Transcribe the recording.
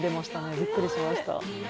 びっくりしました。